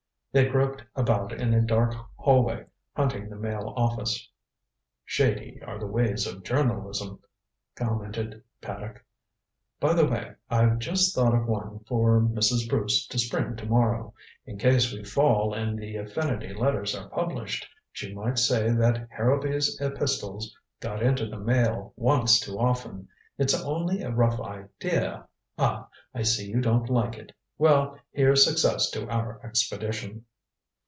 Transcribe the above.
They groped about in a dark hallway hunting the Mail office. "Shady are the ways of journalism," commented Paddock. "By the way, I've just thought of one for Mrs. Bruce to spring to morrow. In case we fail and the affinity letters are published, she might say that Harrowby's epistles got into the Mail once too often. It's only a rough idea ah I see you don't like it. Well, here's success to our expedition."